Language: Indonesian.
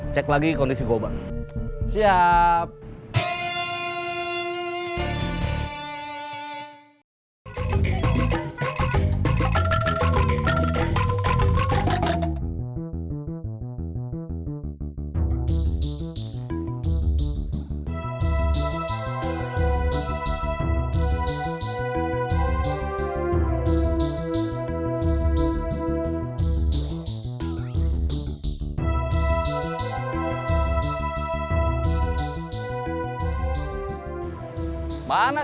cek lagi kondisi gobank